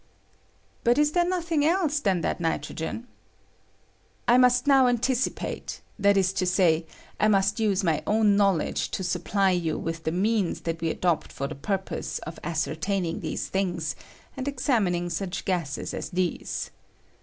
But is there nothing else there than ni trogen ? I must now anticipate — that ja to say, I must use my own knowledge to supply you with the means that we adopt for the purpose of ascertaining these things, and examining such gases as these.